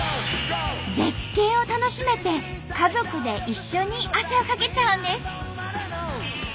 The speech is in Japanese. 絶景を楽しめて家族で一緒に汗をかけちゃうんです！